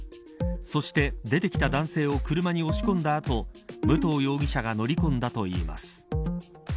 そして出てきた男性を車に押し込んだ後武藤容疑者が乗り込んだといいます。